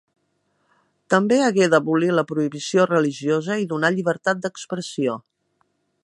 També hagué d'abolir la prohibició religiosa i donar llibertat d'expressió.